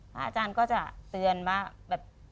พระอาจารย์ก็จะเตือนว่า